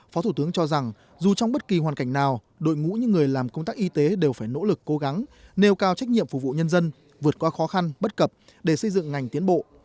phó thủ tướng cho rằng dù trong bất kỳ hoàn cảnh nào đội ngũ những người làm công tác y tế đều phải nỗ lực cố gắng nêu cao trách nhiệm phục vụ nhân dân vượt qua khó khăn bất cập để xây dựng ngành tiến bộ